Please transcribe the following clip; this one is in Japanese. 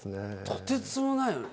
とてつもないよね。